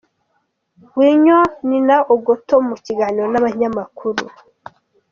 Winyo na Nina Ogot mu kiganiro n'abanyamakuru.